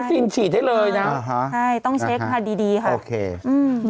ไม่ใช่อเมริกาที่มีวัคซีนฉีดได้เลยนะ